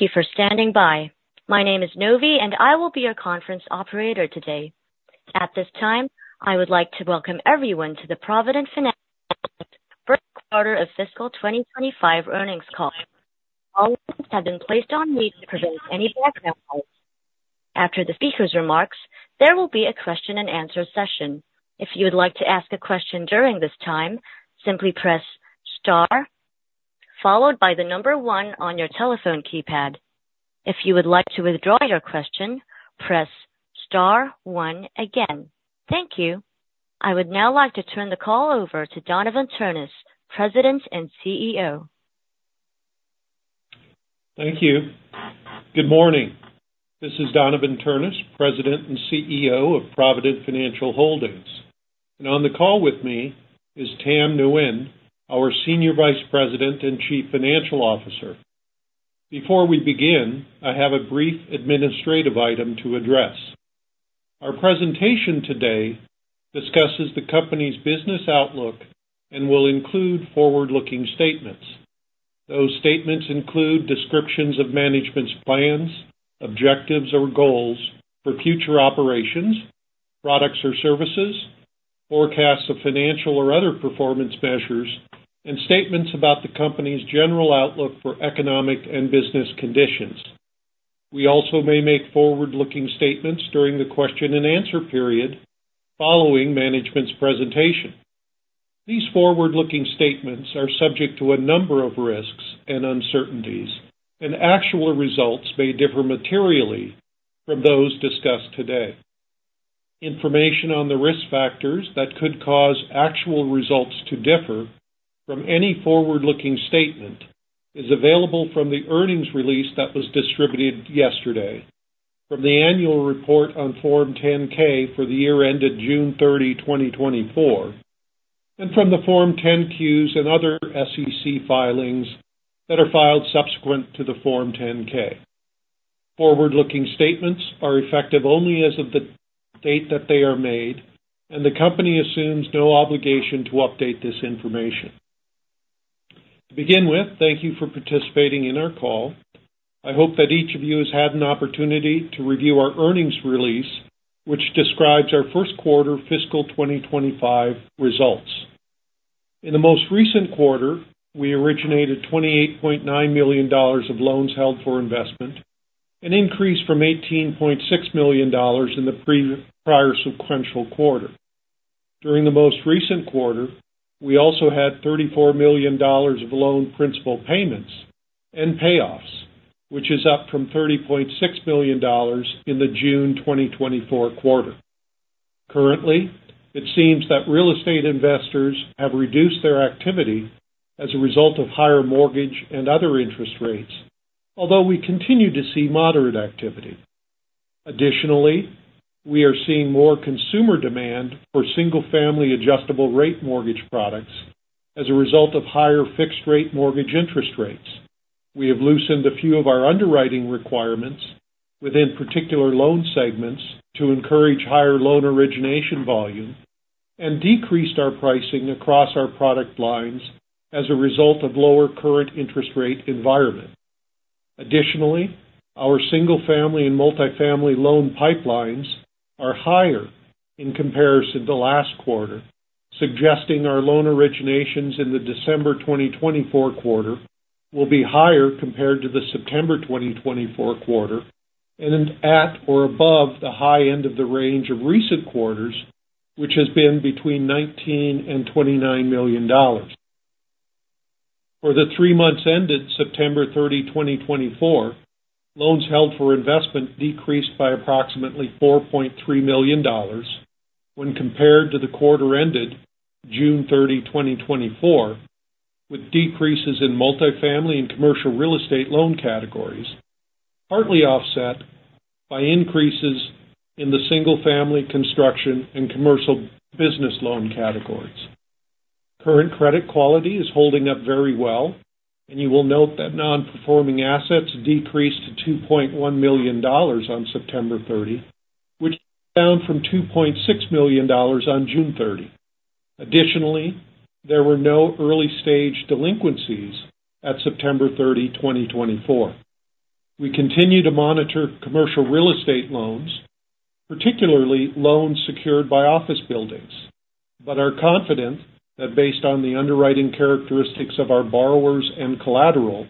Thank you for standing by. My name is Novi, and I will be your conference operator today. At this time, I would like to welcome everyone to the Provident Financial Holdings First Quarter of Fiscal 2025 Earnings Call. All lines have been placed on mute to prevent any background noise. After the speaker's remarks, there will be a question-and-answer session. If you would like to ask a question during this time, simply press star followed by the number one on your telephone keypad. If you would like to withdraw your question, press star one again. Thank you. I would now like to turn the call over to Donavon Ternes, President and CEO. Thank you. Good morning. This is Donavon Ternes, President and CEO of Provident Financial Holdings. And on the call with me is Tam Nguyen, our Senior Vice President and Chief Financial Officer. Before we begin, I have a brief administrative item to address. Our presentation today discusses the company's business outlook and will include forward-looking statements. Those statements include descriptions of management's plans, objectives, or goals for future operations, products or services, forecasts of financial or other performance measures, and statements about the company's general outlook for economic and business conditions. We also may make forward-looking statements during the question-and-answer period following management's presentation. These forward-looking statements are subject to a number of risks and uncertainties, and actual results may differ materially from those discussed today. Information on the risk factors that could cause actual results to differ from any forward-looking statement is available from the earnings release that was distributed yesterday, from the annual report on Form 10-K for the year ended June 30, 2024, and from the Form 10-Qs and other SEC filings that are filed subsequent to the Form 10-K. Forward-looking statements are effective only as of the date that they are made, and the company assumes no obligation to update this information. To begin with, thank you for participating in our call. I hope that each of you has had an opportunity to review our earnings release, which describes our first quarter fiscal 2025 results. In the most recent quarter, we originated $28.9 million of loans held for investment, an increase from $18.6 million in the prior sequential quarter. During the most recent quarter, we also had $34 million of loan principal payments and payoffs, which is up from $30.6 million in the June 2024 quarter. Currently, it seems that real estate investors have reduced their activity as a result of higher mortgage and other interest rates, although we continue to see moderate activity. Additionally, we are seeing more consumer demand for single-family adjustable-rate mortgage products as a result of higher fixed-rate mortgage interest rates. We have loosened a few of our underwriting requirements within particular loan segments to encourage higher loan origination volume and decreased our pricing across our product lines as a result of the lower current interest rate environment. Additionally, our single-family and multifamily loan pipelines are higher in comparison to last quarter, suggesting our loan originations in the December 2024 quarter will be higher compared to the September 2024 quarter and at or above the high end of the range of recent quarters, which has been between $19-$29 million. For the three months ended September 30, 2024, loans held for investment decreased by approximately $4.3 million when compared to the quarter ended June 30, 2024, with decreases in multifamily and commercial real estate loan categories, partly offset by increases in the single-family construction and commercial business loan categories. Current credit quality is holding up very well, and you will note that non-performing assets decreased to $2.1 million on September 30, which is down from $2.6 million on June 30. Additionally, there were no early-stage delinquencies at September 30, 2024. We continue to monitor commercial real estate loans, particularly loans secured by office buildings, but are confident that, based on the underwriting characteristics of our borrowers and collateral,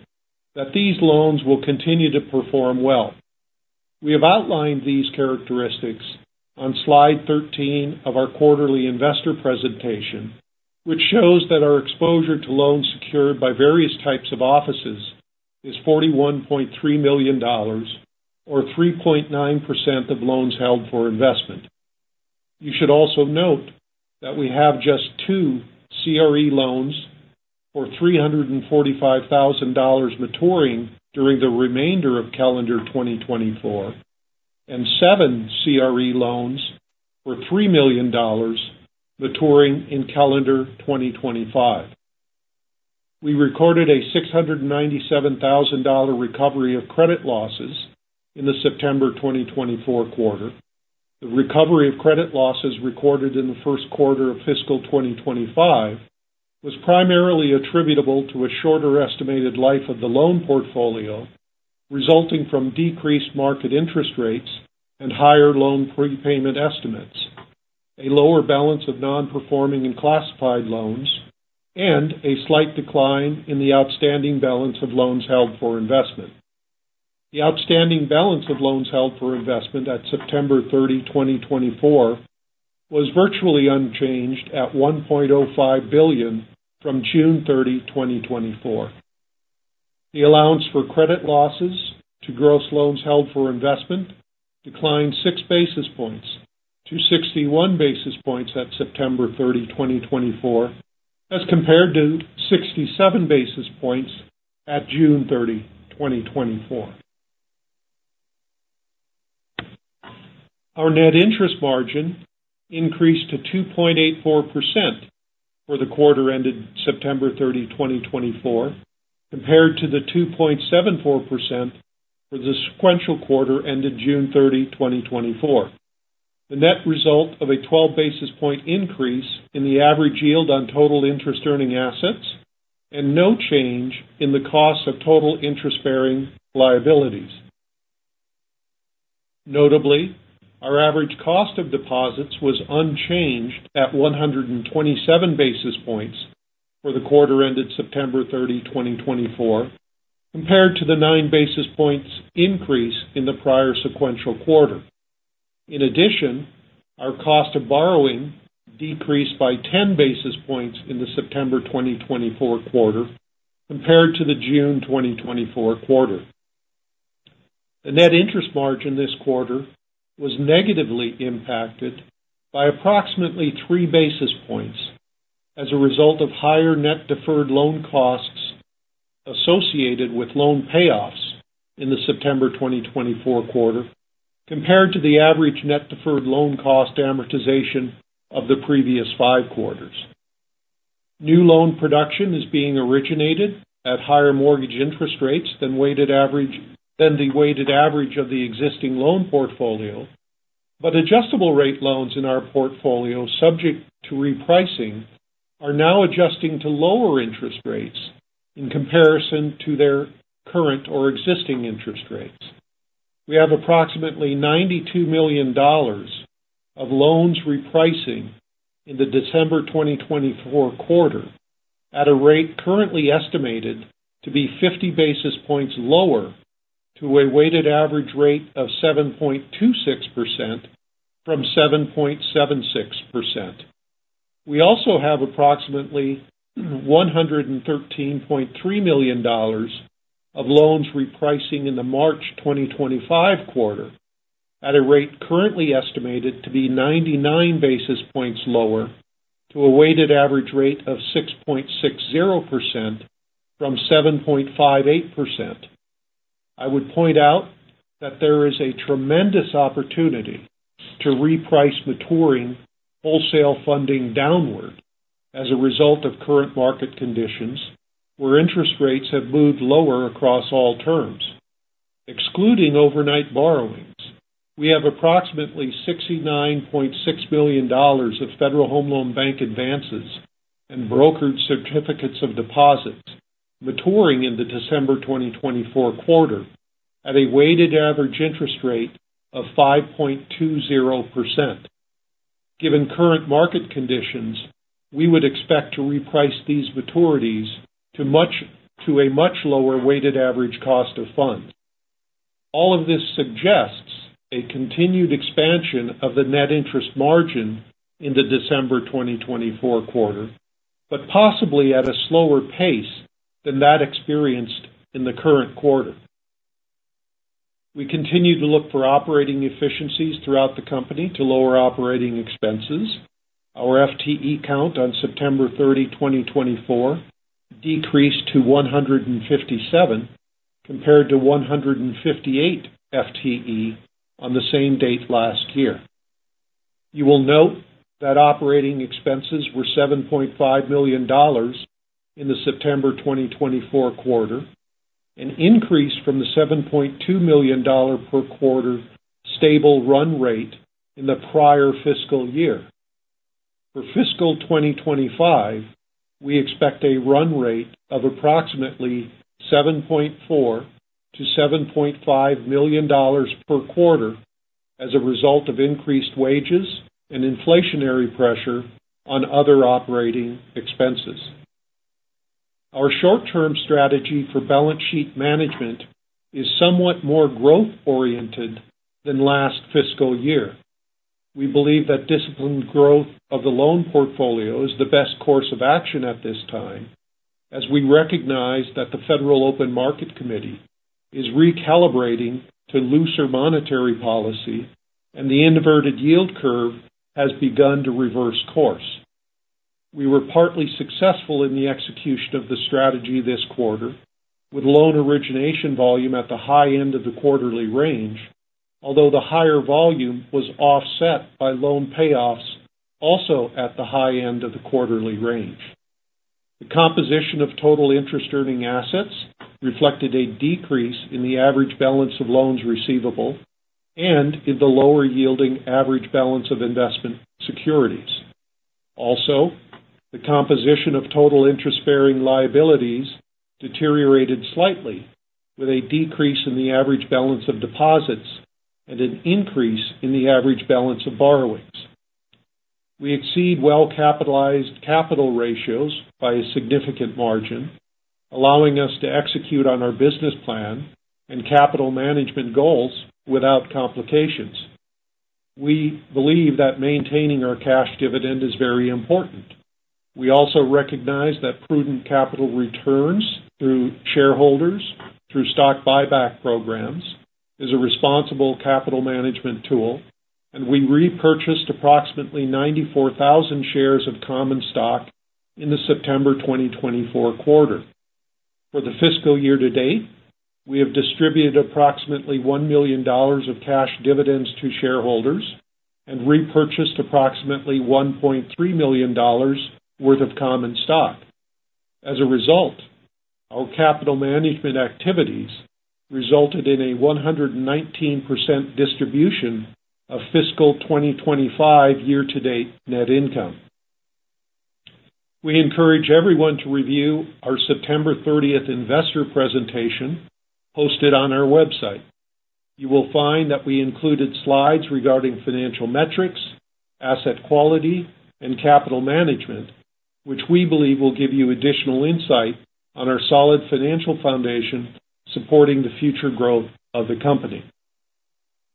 these loans will continue to perform well. We have outlined these characteristics on slide 13 of our quarterly investor presentation, which shows that our exposure to loans secured by various types of offices is $41.3 million, or 3.9%, of loans held for investment. You should also note that we have just two CRE loans for $345,000 maturing during the remainder of calendar 2024 and seven CRE loans for $3 million maturing in calendar 2025. We recorded a $697,000 recovery of credit losses in the September 2024 quarter. The recovery of credit losses recorded in the first quarter of fiscal 2025 was primarily attributable to a shorter estimated life of the loan portfolio resulting from decreased market interest rates and higher loan prepayment estimates, a lower balance of non-performing and classified loans, and a slight decline in the outstanding balance of loans held for investment. The outstanding balance of loans held for investment at September 30, 2024, was virtually unchanged at $1.05 billion from June 30, 2024. The allowance for credit losses to gross loans held for investment declined six basis points to 61 basis points at September 30, 2024, as compared to 67 basis points at June 30, 2024. Our net interest margin increased to 2.84%, for the quarter ended September 30, 2024, compared to the 2.74%, for the sequential quarter ended June 30, 2024. The net result of a 12 basis point increase in the average yield on total interest-earning assets and no change in the cost of total interest-bearing liabilities. Notably, our average cost of deposits was unchanged at 127 basis points for the quarter ended September 30, 2024, compared to the nine basis points increase in the prior sequential quarter. In addition, our cost of borrowing decreased by 10 basis points in the September 2024 quarter compared to the June 2024 quarter. The net interest margin this quarter was negatively impacted by approximately three basis points as a result of higher net deferred loan costs associated with loan payoffs in the September 2024 quarter compared to the average net deferred loan cost amortization of the previous five quarters. New loan production is being originated at higher mortgage interest rates than the weighted average of the existing loan portfolio, but adjustable-rate loans in our portfolio, subject to repricing, are now adjusting to lower interest rates in comparison to their current or existing interest rates. We have approximately $92 million of loans repricing in the December 2024 quarter at a rate currently estimated to be 50 basis points lower to a weighted average rate of 7.26% from 7.76%. We also have approximately $113.3 million of loans repricing in the March 2025 quarter at a rate currently estimated to be 99 basis points lower to a weighted average rate of 6.60% from 7.58%. I would point out that there is a tremendous opportunity to reprice maturing wholesale funding downward as a result of current market conditions where interest rates have moved lower across all terms. Excluding overnight borrowings, we have approximately $69.6 million of Federal Home Loan Bank advances and brokered certificates of deposit maturing in the December 2024 quarter at a weighted average interest rate of 5.20%. Given current market conditions, we would expect to reprice these maturities to a much lower weighted average cost of fund. All of this suggests a continued expansion of the net interest margin in the December 2024 quarter, but possibly at a slower pace than that experienced in the current quarter. We continue to look for operating efficiencies throughout the company to lower operating expenses. Our FTE count on September 30, 2024, decreased to 157 compared to 158 FTE on the same date last year. You will note that operating expenses were $7.5 million in the September 2024 quarter, an increase from the $7.2 million per quarter stable run rate in the prior fiscal year. For fiscal 2025, we expect a run rate of approximately $7.4-$7.5 million per quarter as a result of increased wages and inflationary pressure on other operating expenses. Our short-term strategy for balance sheet management is somewhat more growth-oriented than last fiscal year. We believe that disciplined growth of the loan portfolio is the best course of action at this time, as we recognize that the Federal Open Market Committee is recalibrating to looser monetary policy, and the inverted yield curve has begun to reverse course. We were partly successful in the execution of the strategy this quarter, with loan origination volume at the high end of the quarterly range, although the higher volume was offset by loan payoffs also at the high end of the quarterly range. The composition of total interest-earning assets reflected a decrease in the average balance of loans receivable and in the lower-yielding average balance of investment securities. Also, the composition of total interest-bearing liabilities deteriorated slightly, with a decrease in the average balance of deposits and an increase in the average balance of borrowings. We exceed well-capitalized capital ratios by a significant margin, allowing us to execute on our business plan and capital management goals without complications. We believe that maintaining our cash dividend is very important. We also recognize that prudent capital returns through shareholders, through stock buyback programs, is a responsible capital management tool, and we repurchased approximately 94,000 shares of common stock in the September 2024 quarter. For the fiscal year to date, we have distributed approximately $1 million of cash dividends to shareholders and repurchased approximately $1.3 million worth of common stock. As a result, our capital management activities resulted in a 119% distribution of fiscal 2025 year-to-date net income. We encourage everyone to review our September 30 investor presentation posted on our website. You will find that we included slides regarding financial metrics, asset quality, and capital management, which we believe will give you additional insight on our solid financial foundation supporting the future growth of the company.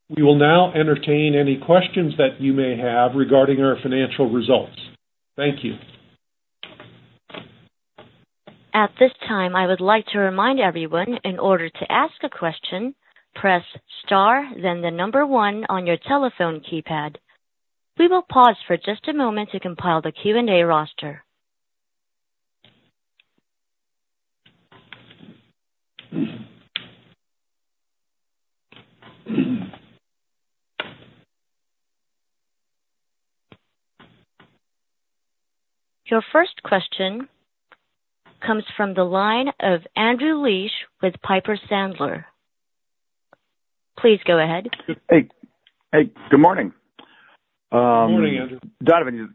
We will now entertain any questions that you may have regarding our financial results. Thank you. At this time, I would like to remind everyone, in order to ask a question, press star, then the number one on your telephone keypad. We will pause for just a moment to compile the Q&A roster. Your first question comes from the line of Andrew Liesch with Piper Sandler. Please go ahead. Hey. Hey. Good morning. Good morning, Andrew. Donavon, you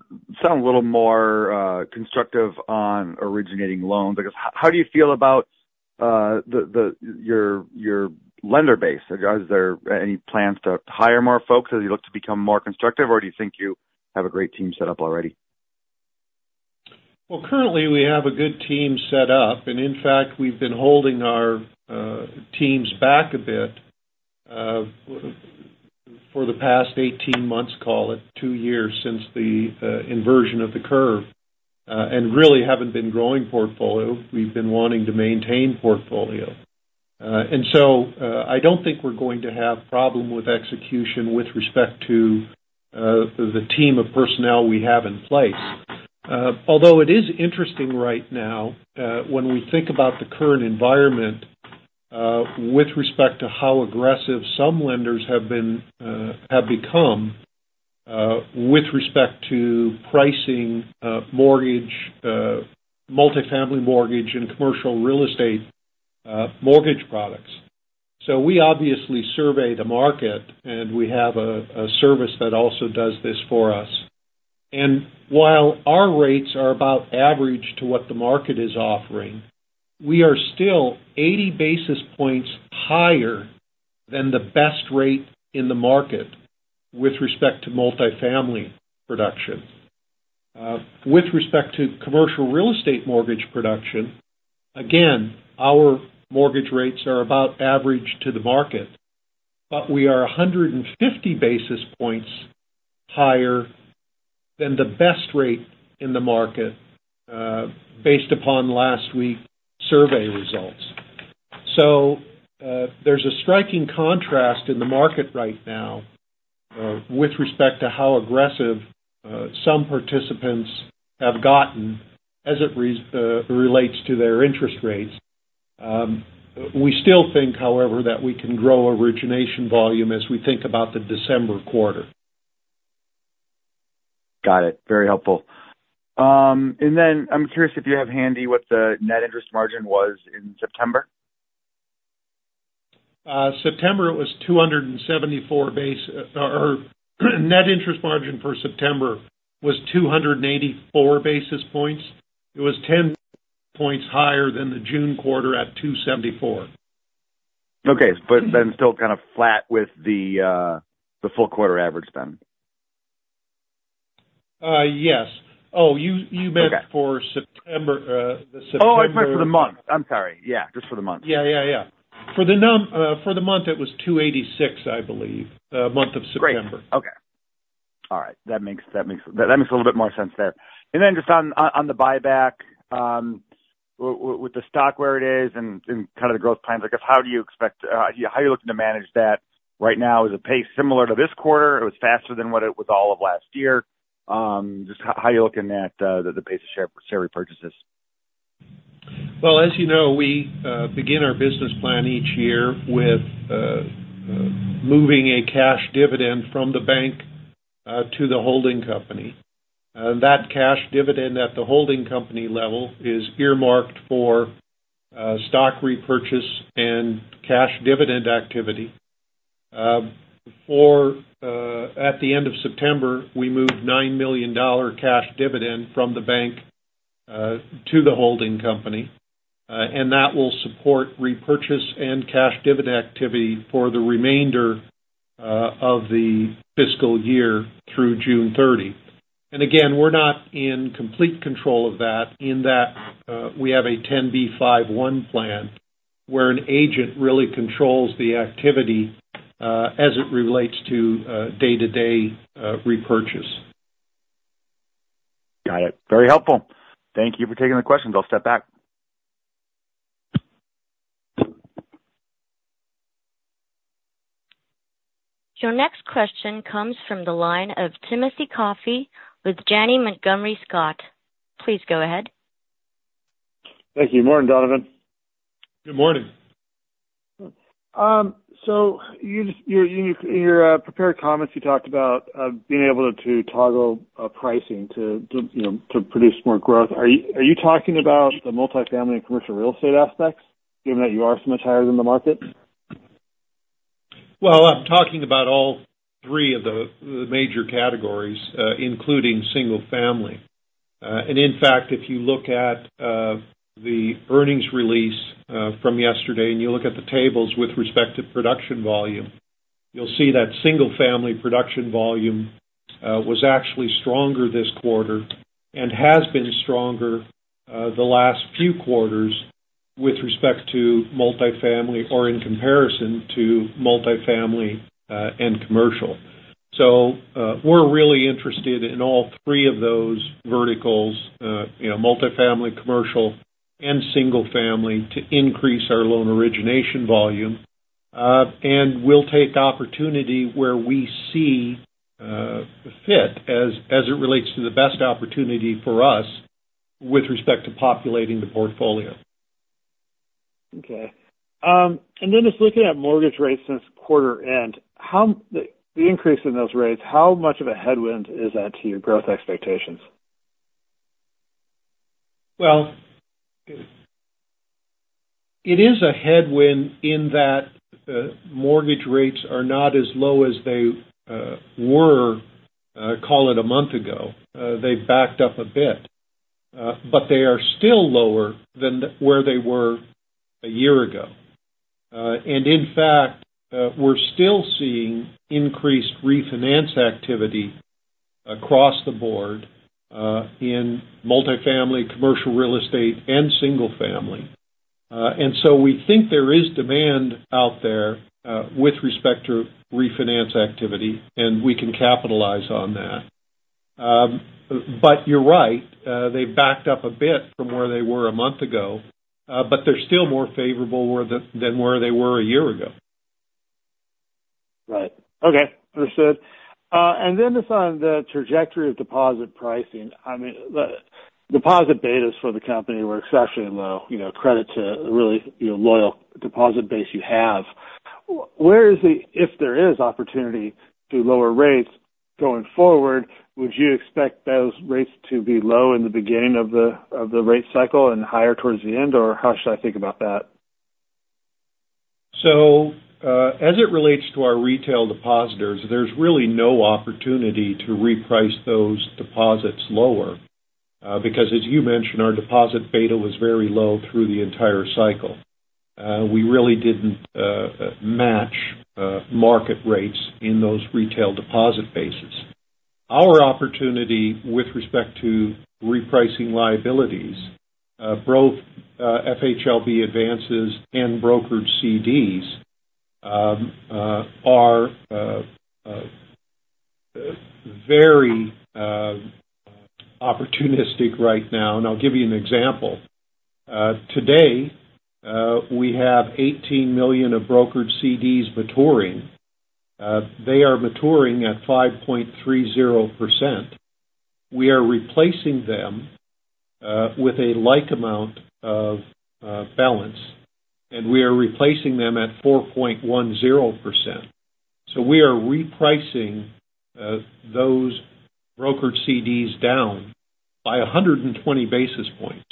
sound a little more constructive on originating loans. I guess, how do you feel about your lender base? Are there any plans to hire more folks as you look to become more constructive, or do you think you have a great team set up already? Well, currently, we have a good team set up, and in fact, we've been holding our teams back a bit for the past 18 months, call it two years since the inversion of the curve, and really haven't been growing portfolio. We've been wanting to maintain portfolio. And so I don't think we're going to have a problem with execution with respect to the team of personnel we have in place. Although it is interesting right now, when we think about the current environment with respect to how aggressive some lenders have become with respect to pricing multifamily mortgage and commercial real estate mortgage products, so we obviously survey the market, and we have a service that also does this for us, and while our rates are about average to what the market is offering, we are still 80 basis points higher than the best rate in the market with respect to multifamily production. With respect to commercial real estate mortgage production, again, our mortgage rates are about average to the market, but we are 150 basis points higher than the best rate in the market based upon last week's survey results, so there's a striking contrast in the market right now with respect to how aggressive some participants have gotten as it relates to their interest rates. We still think, however, that we can grow origination volume as we think about the December quarter. Got it. Very helpful. And then I'm curious if you have handy what the net interest margin was in September. September, it was 274 or net interest margin for September was 284 basis points. It was 10 points higher than the June quarter at 274. Okay. But then still kind of flat with the full quarter average then? Yes. Oh, you meant for September? Oh, I meant for the month. I'm sorry. Yeah. Just for the month. Yeah, yeah, yeah. For the month, it was 286, I believe, month of September. Okay. All right. That makes a little bit more sense there. And then, just on the buyback, with the stock where it is and kind of the growth plans, I guess, how do you expect how are you looking to manage that right now? Is the pace similar to this quarter? It was faster than what it was all of last year. Just how are you looking at the pace of share repurchases? Well, as you know, we begin our business plan each year with moving a cash dividend from the bank to the holding company. That cash dividend at the holding company level is earmarked for stock repurchase and cash dividend activity. At the end of September, we moved $9 million cash dividend from the bank to the holding company, and that will support repurchase and cash dividend activity for the remainder of the fiscal year through June 30. And again, we're not in complete control of that in that we have a 10b5-1 plan where an agent really controls the activity as it relates to day-to-day repurchase. Got it. Very helpful. Thank you for taking the questions. I'll step back. Your next question comes from the line of Timothy Coffey with Janney Montgomery Scott. Please go ahead. Thank you. Morning, Donavon. Good morning. So in your prepared comments, you talked about being able to toggle pricing to produce more growth. Are you talking about the multifamily and commercial real estate aspects, given that you are so much higher than the market? Well, I'm talking about all three of the major categories, including single family. And in fact, if you look at the earnings release from yesterday and you look at the tables with respect to production volume, you'll see that single family production volume was actually stronger this quarter and has been stronger the last few quarters with respect to multifamily or in comparison to multifamily and commercial. So we're really interested in all three of those verticals, multifamily, commercial, and single family, to increase our loan origination volume. And we'll take opportunity where we see fit as it relates to the best opportunity for us with respect to populating the portfolio. Okay. And then just looking at mortgage rates since quarter end, the increase in those rates, how much of a headwind is that to your growth expectations? Well, it is a headwind in that mortgage rates are not as low as they were, call it, a month ago. They've backed up a bit, but they are still lower than where they were a year ago. And in fact, we're still seeing increased refinance activity across the board in multifamily, commercial real estate, and single-family. And so we think there is demand out there with respect to refinance activity, and we can capitalize on that. But you're right. They backed up a bit from where they were a month ago, but they're still more favorable than where they were a year ago. Right. Okay. Understood. And then just on the trajectory of deposit pricing, I mean, deposit betas for the company were exceptionally low, credit to really loyal deposit base you have. If there is opportunity to lower rates going forward, would you expect those rates to be low in the beginning of the rate cycle and higher towards the end, or how should I think about that? So as it relates to our retail depositors, there's really no opportunity to reprice those deposits lower because, as you mentioned, our deposit beta was very low through the entire cycle. We really didn't match market rates in those retail deposit bases. Our opportunity with respect to repricing liabilities, both FHLB advances and brokered CDs, are very opportunistic right now. And I'll give you an example. Today, we have $18 million of brokered CDs maturing. They are maturing at 5.30%. We are replacing them with a like amount of balance, and we are replacing them at 4.10%. So we are repricing those brokered CDs down by 120 basis points.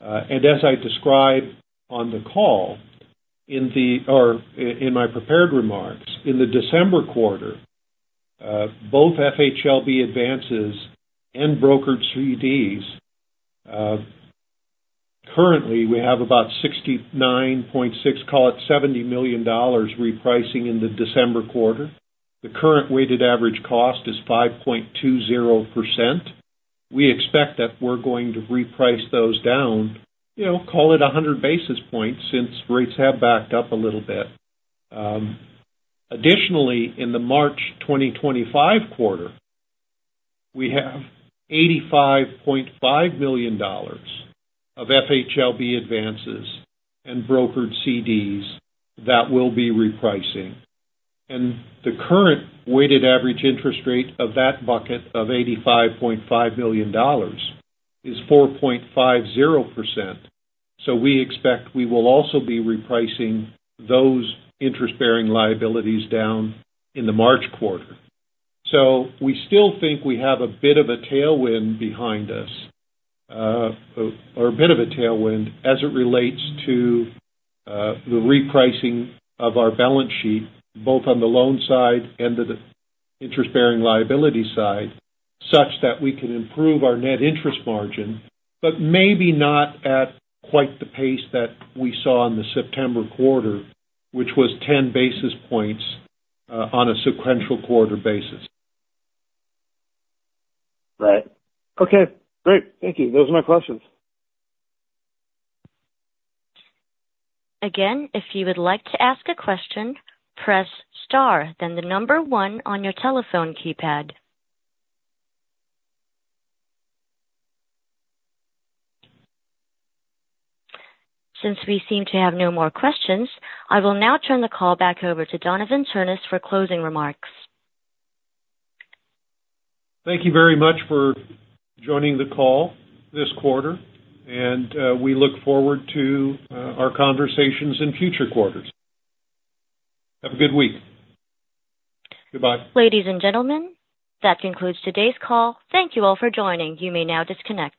As I described on the call in my prepared remarks, in the December quarter, both FHLB advances and brokered CDs, currently, we have about 69.6, call it $70 million repricing in the December quarter. The current weighted average cost is 5.20%. We expect that we're going to reprice those down, call it 100 basis points since rates have backed up a little bit. Additionally, in the March 2025 quarter, we have $85.5 million of FHLB advances and brokered CDs that we'll be repricing. The current weighted average interest rate of that bucket of $85.5 million is 4.50%. We expect we will also be repricing those interest-bearing liabilities down in the March quarter. So we still think we have a bit of a tailwind behind us or a bit of a tailwind as it relates to the repricing of our balance sheet, both on the loan side and the interest-bearing liability side, such that we can improve our net interest margin, but maybe not at quite the pace that we saw in the September quarter, which was 10 basis points on a sequential quarter basis. Right. Okay. Great. Thank you. Those are my questions. Again, if you would like to ask a question, press star, then the number one on your telephone keypad. Since we seem to have no more questions, I will now turn the call back over to Donavon Ternes for closing remarks. Thank you very much for joining the call this quarter, and we look forward to our conversations in future quarters. Have a good week. Goodbye. Ladies and gentlemen, that concludes today's call. Thank you all for joining. You may now disconnect.